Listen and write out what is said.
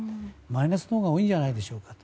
マイナスのほうが多いんじゃないでしょうか。